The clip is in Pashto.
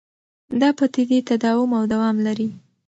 دا پدیدې تداوم او دوام لري.